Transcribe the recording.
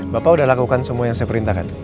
bapak sudah lakukan semua yang saya perintahkan